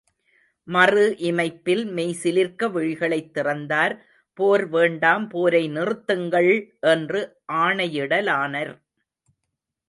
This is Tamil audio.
மறு இமைப்பில், மெய் சிலிர்க்க விழிகளைத் திறந்தார் போர் வேண்டாம் போரை நிறுத்துங்கள்! என்று ஆணையிடலானர்!